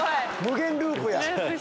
無限ループや。